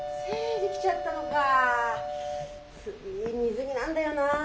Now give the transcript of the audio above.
次水着なんだよな。